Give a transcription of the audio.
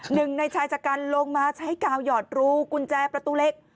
หนึ่งในชายชะกันลงมาใช้กาวหยอดรูกุญแจประตูเล็ก